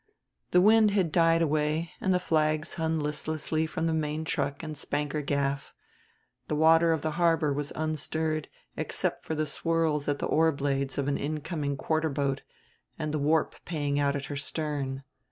The wind had died away and the flags hung listlessly from the main truck and spanker gaff. The water of the harbor was unstirred except for the swirls at the oar blades of an incoming quarter boat and the warp paying out at her stern.